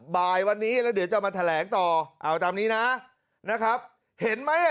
บ่ายวันนี้แล้วเดี๋ยวจะมาแถลงต่อเอาตามนี้นะนะครับเห็นไหม